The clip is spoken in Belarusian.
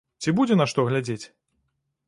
Ці будзе, на што глядзець?